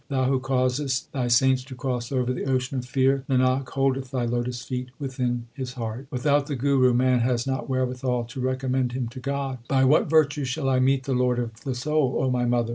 Thou who causest Thy saints to cross over the ocean of fear Nanak holdeth Thy lotus feet within his heart. Without the Guru man has not wherewithal to recommend him to God : By what virtue shall I meet the Lord of the soul, 1 O my mother